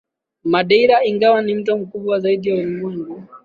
Madeira Ingawa ni mto mkubwa zaidi ulimwenguni